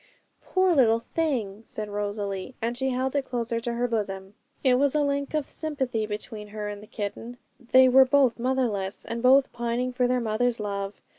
'Poor little thing!' said Rosalie; and she held it closer to her bosom; it was a link of sympathy between her and the kitten; they were both motherless, and both pining for their mother's love.